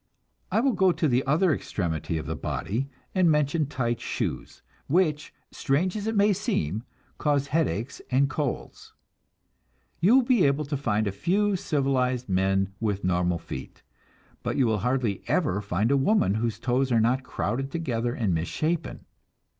I will go to the other extremity of the body, and mention tight shoes, which, strange as it may seem, cause headaches and colds. You will be able to find a few civilized men with normal feet, but you will hardly ever find a woman whose toes are not crowded together and misshapen.